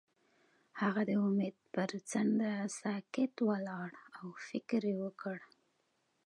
هغه د امید پر څنډه ساکت ولاړ او فکر وکړ.